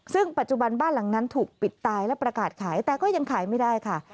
ซึ่งปัจจุบันบ้านหลังนั้นถูกปิดตายและประกาศขายแต่ก็ยังขายไม่ได้ค่ะ